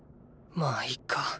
まあいっか。